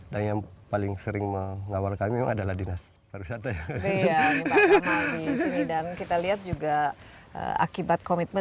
dan yang paling sering mengawal kami adalah dinas pariwisata ya dan kita lihat juga akibat komitmen dari kawasan ini yang terpantau dan yang paling sering mengawal kami adalah dinas pariwisata ya